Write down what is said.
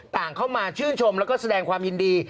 ต่างเข้ามาชื่นชมแล้วก็แสดงความยินดี